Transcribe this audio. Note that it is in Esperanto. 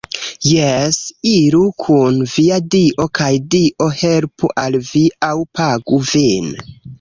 Jes, iru kun via Dio kaj Dio helpu al vi aŭ pagu vin